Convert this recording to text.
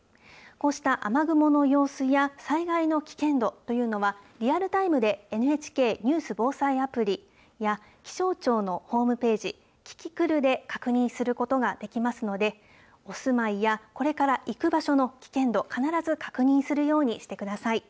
こうした雨雲の様子や、災害の危険度というのは、リアルタイムでＮＨＫニュース・防災アプリや、気象庁のホームページ、キキクルで確認することができますので、お住まいやこれから行く場所の危険度、必ず確認するようにしてください。